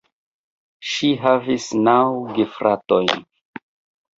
Ŝi havis naŭ gefratojn.